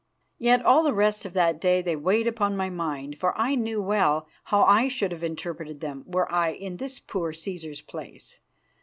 Yet all the rest of that day they weighed upon my mind, for I knew well how I should have interpreted them were I in this poor Cæsar's place.